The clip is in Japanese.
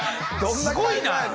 すごいな！